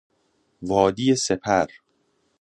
وادی سپر